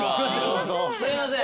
すいません。